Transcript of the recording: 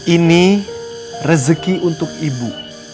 ini rezeki untuk ibu